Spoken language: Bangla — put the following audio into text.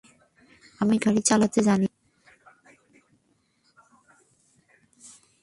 আমি গাড়ি চালাতে জানি না।